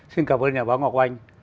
xin cảm ơn nhà báo ngọc oanh